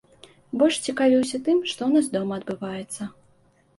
Больш цікавіўся тым, што ў нас дома адбываецца.